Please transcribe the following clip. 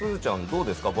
どうですか？